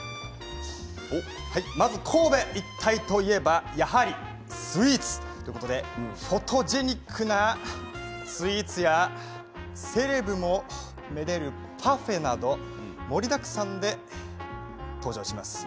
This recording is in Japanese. まず神戸一帯といえばやはりスイーツ。ということでフォトジェニックなスイーツやセレブもめでるパフェなど盛りだくさんで登場します。